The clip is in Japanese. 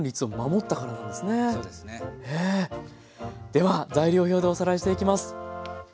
では材料表でおさらいしていきます。